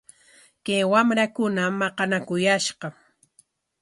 Kay wamrakunam maqanakuyashqa.